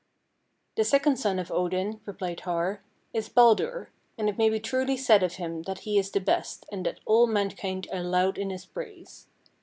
"The second son of Odin," replied Har, "is Baldur, and it may be truly said of him that he is the best, and that all mankind are loud in his praise.